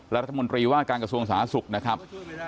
รัฐมนตรีว่าการกระทรวงสาธารณสุขนะครับ